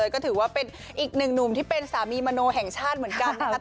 ก็ถือว่าเป็นอีกหนึ่งหนุ่มที่เป็นสามีมโนแห่งชาติเหมือนกันนะครับ